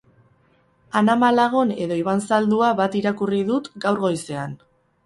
Ana Malagon edo Iban Zaldua bat irakurri dut gaur goizean.